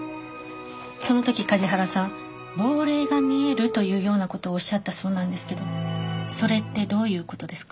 その時梶原さん「亡霊が見える」というような事をおっしゃったそうなんですけどそれってどういう事ですか？